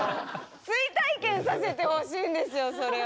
追体験させてほしいんですよそれを。